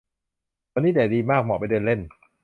วันนี้แดดดีมาก เหมาะไปเดินเล่น